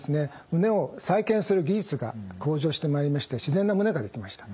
胸を再建する技術が向上してまいりまして自然な胸ができました。